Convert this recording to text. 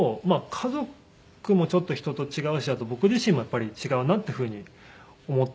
家族もちょっと人と違うしあと僕自身もやっぱり違うなっていうふうに思ったので。